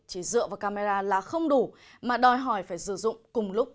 chỉ dựa vào camera là không đủ mà đòi hỏi phải sử dụng cùng lúc